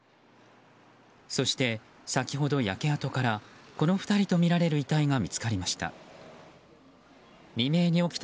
そして、先ほど焼け跡からこの２人とみられる遺体が見つかりました。